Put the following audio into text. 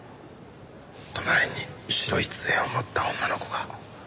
隣に白い杖を持った女の子が。